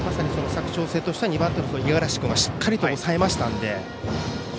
佐久長聖としては２番手の五十嵐君がしっかりと抑えましたので。